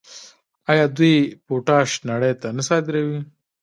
آیا دوی پوټاش نړۍ ته نه صادروي؟